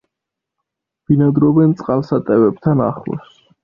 ბინადრობენ წყალსატევებთან ახლოს.